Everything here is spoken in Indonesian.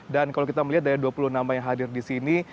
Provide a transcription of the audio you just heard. dan kalau kita melihat dari dua puluh nama yang hadir di sini